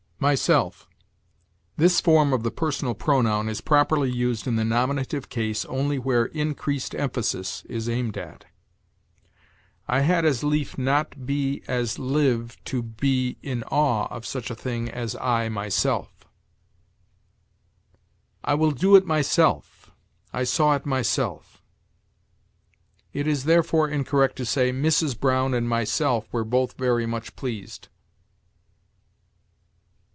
MYSELF. This form of the personal pronoun is properly used in the nominative case only where increased emphasis is aimed at. "I had as lief not be as live to be In awe of such a thing as I myself." "I will do it myself," "I saw it myself." It is, therefore, incorrect to say, "Mrs. Brown and myself were both very much pleased."